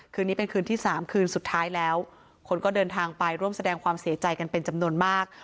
คืนนี้เป็นคืนที่สามคืนสุดท้ายแล้วคนก็เดินทางไปร่วมแสดงความเสียใจกันเป็นจำนวนมาก